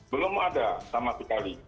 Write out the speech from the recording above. belum ada sama sekali